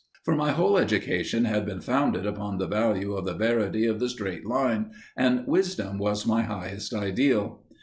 For my whole education had been founded upon the value of the verity of the straight line, and wisdom was my highest ideal.